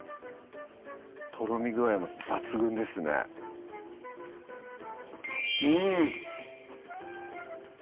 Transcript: とろみ具合も抜群ですねうん！